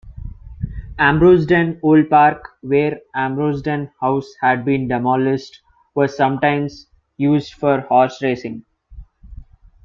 Ambrosden Old Park, where Ambrosden House had been demolished, was sometimes used for horse-racing.